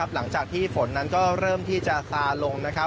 หลังจากที่ฝนนั้นก็เริ่มที่จะซาลง